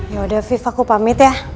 yaudah viv aku pamit ya